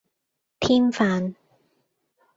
添飯